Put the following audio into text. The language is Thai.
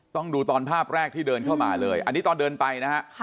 ดูตอนภาพแรกที่เดินเข้ามาเลยอันนี้ตอนเดินไปนะฮะ